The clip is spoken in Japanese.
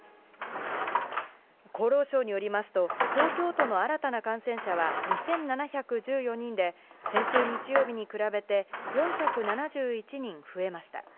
厚労省によりますと、東京都の新たな感染者は２７１４人で、先週日曜日に比べて４７１人増えました。